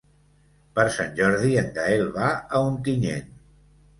Per Sant Jordi en Gaël va a Ontinyent.